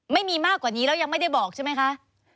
ไม่มีมากกว่านี้แล้วยังไม่ได้บอกใช่ไหมคะ